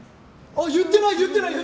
言ってない、言ってない。